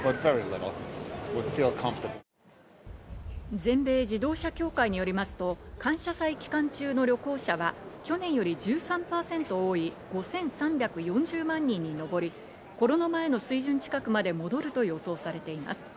全米自動車協会によりますと、感謝祭期間中の旅行者は、去年より１３％多い、５３４０万人にのぼり、コロナ前の水準近くまで戻ると予想されています。